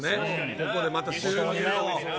ここでまた収入を。